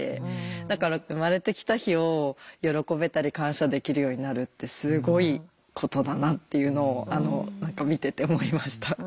だから生まれてきた日を喜べたり感謝できるようになるってすごいことだなっていうのを何か見てて思いました。